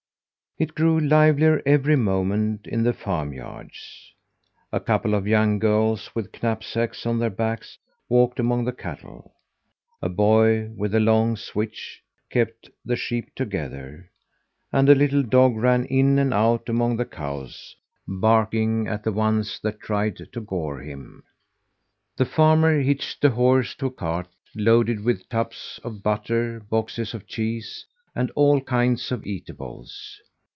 It grew livelier every moment in the farm yards. A couple of young girls with knapsacks on their backs walked among the cattle; a boy with a long switch kept the sheep together, and a little dog ran in and out among the cows, barking at the ones that tried to gore him. The farmer hitched a horse to a cart loaded with tubs of butter, boxes of cheese, and all kinds of eatables.